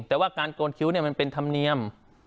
แต่ว่าการโกนคิ้วมันเป็นธรรมเนียม